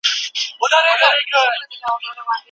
مریم لوړې زده کړې کړې دي.